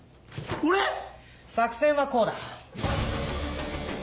俺⁉作戦はこうだ。